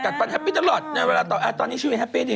กัดปันแฮปปี้ตลอดตอนนี้ชีวิตแฮปปี้ดี